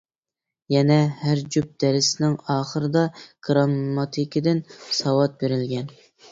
يەنە ھەر جۈپ دەرسنىڭ ئاخىرىدا گىرامماتىكىدىن ساۋات بېرىلگەن.